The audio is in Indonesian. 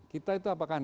kita itu apakah